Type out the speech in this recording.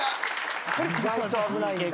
意外と危ないんだ。